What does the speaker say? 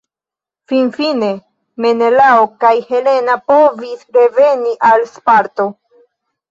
Finfine, Menelao kaj Helena povis reveni al Sparto.